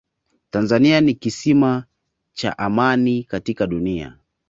tanzania ni kisima cha amani katika dunia